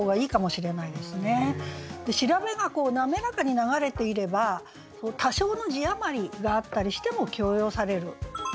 調べが滑らかに流れていれば多少の字余りがあったりしても許容される。